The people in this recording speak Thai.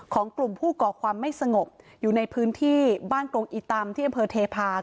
ของกลุ่มผู้ก่อความไม่สงบอยู่ในพื้นที่บ้านกรงอีตำที่อำเภอเทพา